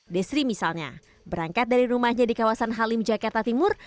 desri misalnya berangkat dari rumahnya di kawasan halim jakarta timur